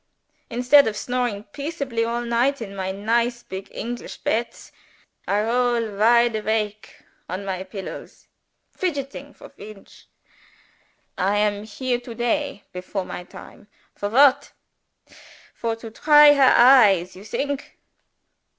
Instead of snoring peaceably all night in my nice big English beds, I roll wide awake on my pillows, fidgeting for Feench. I am here to day before my time. For what? For to try her eyes you think?